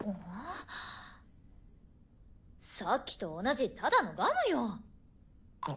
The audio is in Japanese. さっきと同じただのガムよ。